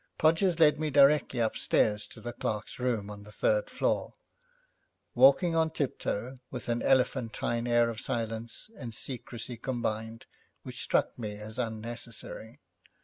Podgers led me directly upstairs to the clerk's room on the third floor, walking on tiptoe, with an elephantine air of silence and secrecy combined, which struck me as unnecessary.